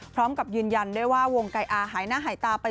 พร้อมกับยืนยันด้วยว่าวงไก่อาหายหน้าหายตาไป